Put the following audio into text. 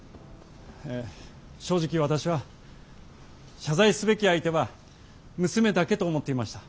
正直私は「謝罪すべき相手は娘だけ」と思っていました。